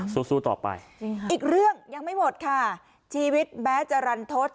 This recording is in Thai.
สู้สู้ต่อไปอีกเรื่องยังไม่หมดค่ะชีวิตแม้จะรันทศ